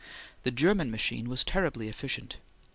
The German machine was terribly efficient.